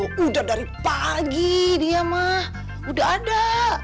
sudah dari pagi dia mah sudah ada